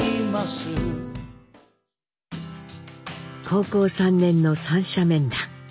高校３年の三者面談。